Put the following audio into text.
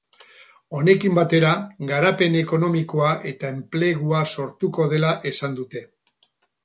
Honekin batera, garapen ekonomikoa eta enplegua sortuko dela esan dute.